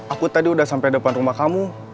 aku tadi udah sampai depan rumah kamu